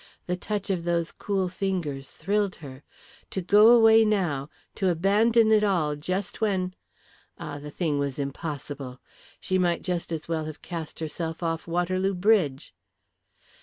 The touch of those cool fingers thrilled her. To go away now, to abandon it all just when . Ah, the thing was impossible. She might just as well have cast herself off Waterloo Bridge.